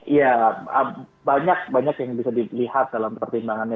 ya banyak banyak yang bisa dilihat dalam pertimbangannya